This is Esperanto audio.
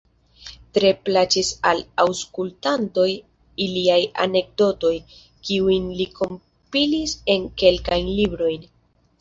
Tre plaĉis al aŭskultantoj liaj anekdotoj, kiujn li kompilis en kelkajn librojn.